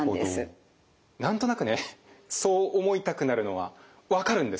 何となくねそう思いたくなるのは分かるんです。